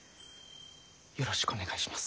よろしくお願いします。